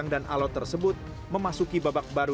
perundingan panjang dan alot tersebut memasuki babak baru